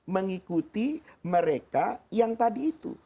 mengikuti mereka yang tadi itu